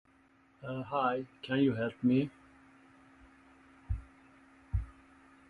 Factories get rather expensive machines that are used to mass-produce specialized parts.